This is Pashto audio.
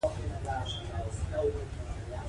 د افغاني غازیانو شمېر لږ دی.